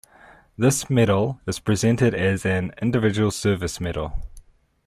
This medal is presented as an individual service medal.